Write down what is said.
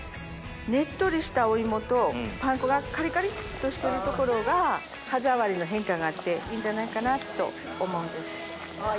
ねっとりしたお芋とパン粉がカリカリっとしてる所が歯触りの変化があっていいんじゃないかなと思うんです。